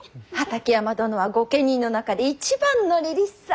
畠山殿は御家人の中で一番のりりしさ！